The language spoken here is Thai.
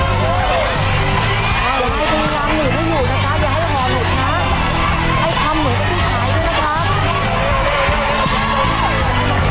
แล้วเป็นเรื่องมายนะครับแต่เวลาไม่ได้หยุดเบิร์นเหมือนกันนะครับ